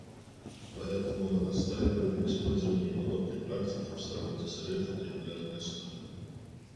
Поэтому мы настаиваем на использовании подобной практики в работе Совета на регулярной основе.